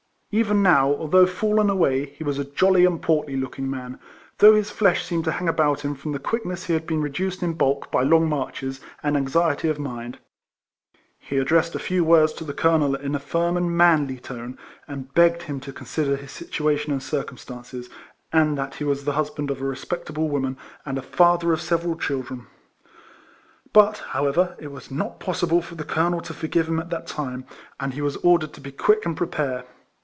Even now, although fiillen away, he was a jolly and portly looking man, though his flesh seemed to hang about him from the quickness he had been reduced in bulk by long marches, and anxiety of mind. He addressed a few words to the colonel in a firm and manly tone, and begged him to consider his situation and circumstances, and that he was the husband of a respect able woman, and father of several children ; but, however, it was not possible for the colonel to forgive him at that time, and he was ordered to be quick and prepare.